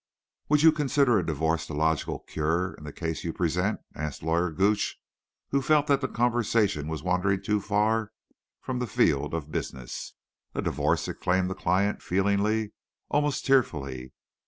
"Would you consider a divorce the logical cure in the case you present?" asked Lawyer Gooch, who felt that the conversation was wandering too far from the field of business. "A divorce!" exclaimed the client, feelingly—almost tearfully.